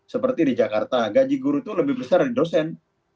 seperti di jakarta gaji guru itu lebih besar dari dosen